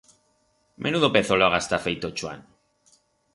Menudo pezolaga está feito Chuan!